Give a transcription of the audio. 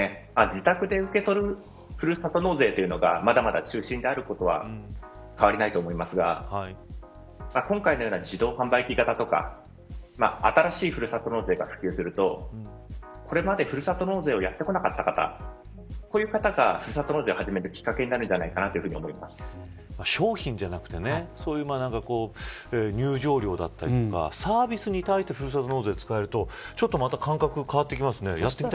自宅で受け取るふるさと納税というのがまだまだ中心であることは変わりないと思いますが今回のような自動販売機型とか新しいふるさと納税が普及するとこれまでふるさと納税をやってこなかった方こういう方がふるさと納税を始めるきっかけに商品じゃなくて入場料だったりとかサービスに対してふるさと納税が使えるとちょっとまた感覚が変わってきますね。